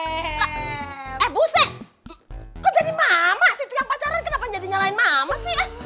eh buset kok jadi mama sih itu yang pacaran kenapa jadi nyalain mama sih